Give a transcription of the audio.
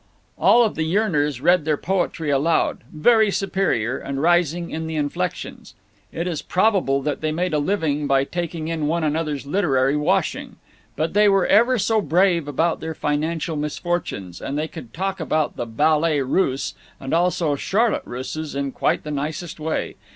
All of the yearners read their poetry aloud, very superior, and rising in the inflections. It is probable that they made a living by taking in one another's literary washing. But they were ever so brave about their financial misfortunes, and they could talk about the ballet Russe and also charlotte russes in quite the nicest way.